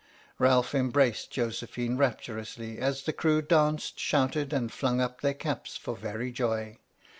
Ralph embraced Josephine rapturously as the crew danced, shouted, and flung up their caps for very joy.